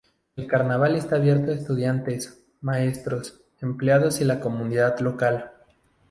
El carnaval está abierto a estudiantes, maestros, empleados y la comunidad local.